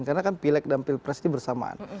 karena kan pilek dan pilpres ini bersamaan